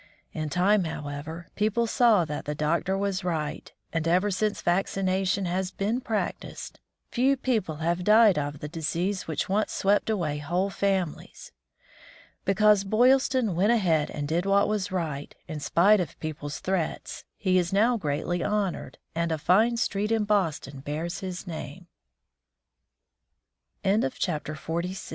In time, however, people saw that the doctor was right, and ever since vaccination has been practiced, few people have died of the disease which once swept away whole families. Because Boylston went ahead and did what was right, in spite of people's threats, he is now greatly honored, and a fine street in Boston bears his name. XLVII.